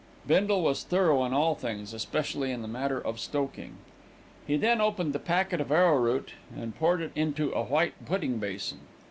Bindle was thorough in all things, especially in the matter of stoking. He then opened the packet of arrowroot and poured it into a white pudding basin.